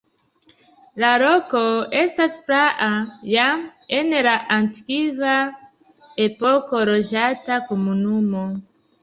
La loko estas praa, jam en la antikva epoko loĝata komunumo.